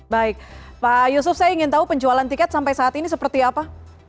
baik pak yusuf saya ingin tahu penjualan tiket sampai saat ini seperti apa